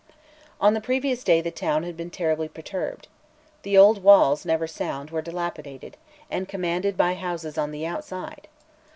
On the previous day the town had been terribly perturbed. The old walls, never sound, were dilapidated, and commanded by houses on the outside.